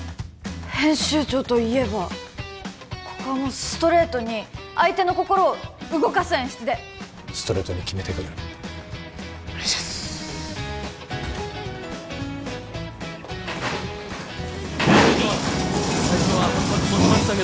編集長といえばここはもうストレートに相手の心を動かす演出でストレートに決めてくるお願いします